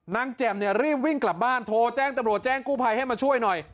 แจ่มเนี่ยรีบวิ่งกลับบ้านโทรแจ้งตำรวจแจ้งกู้ภัยให้มาช่วยหน่อย